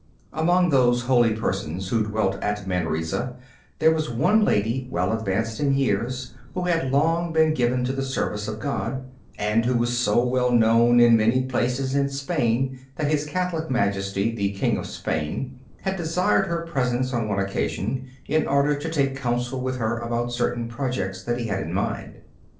Among those holy persons who dwelt at Manresa, there was one lady well advanced in years who had long been given to the service of God, and who was so well known in many places in Spain that his Catholic Majesty, the King of Spain, had desired her presence on one occasion in order to take counsel with her about certain projects that he had in his mind.